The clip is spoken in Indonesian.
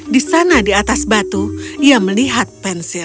di sana di atas batu ia melihat pensil